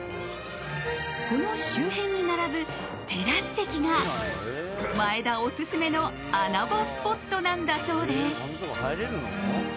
この周辺に並ぶテラス席が前田オススメの穴場スポットなんだそうです。